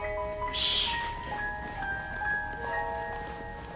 「」よし。